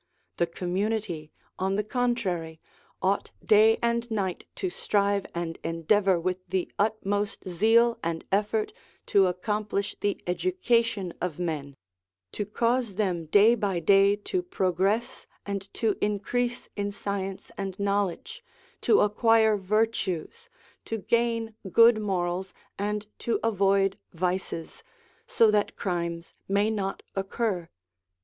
The community, on the contrary, ought day and night to strive and endeavour with the utmost zeal and effort to accomplish the education of men, to cause them day by day to progress and to increase in science and knowledge, to acquire virtues, to gain good morals and to avoid vices, so that crimes may not occur.